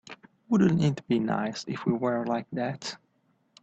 Wouldn't it be nice if we were like that?